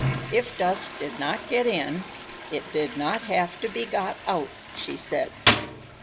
If dust did not get in, it did not have to be got out, she said.